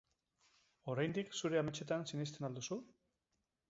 Oraindik zure ametsetan sinesten al duzu?